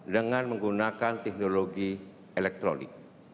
dengan menggunakan teknologi elektronik